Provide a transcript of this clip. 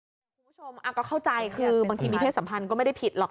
คุณผู้ชมก็เข้าใจคือบางทีมีเพศสัมพันธ์ก็ไม่ได้ผิดหรอก